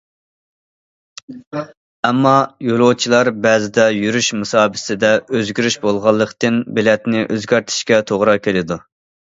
ئەمما، يولۇچىلار بەزىدە يۈرۈش مۇساپىسىدە ئۆزگىرىش بولغانلىقتىن، بېلەتنى ئۆزگەرتىشكە توغرا كېلىدۇ.